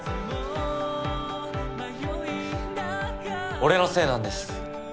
俺のせいなんです。